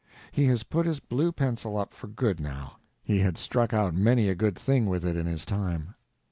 He has put his blue pencil up for good now. He had struck out many a good thing with it in his time.